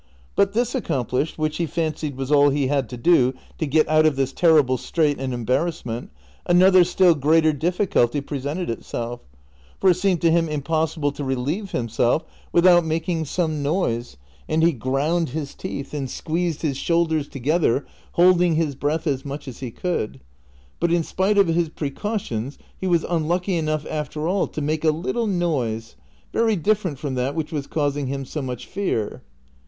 But this accomplished, which he fancied was all he had to do to get out of this terrible strait and embarrassment, another still greater difficulty presented itself, for it seemed to him impossible to relieve himself without making some noise, and he ground his . teeth and squeezed his shoulders together, holding his breath as much as he could ; but in spite of his precautions he was imlucky enough after all to make a little noise, very different from that which was causing him so much fear.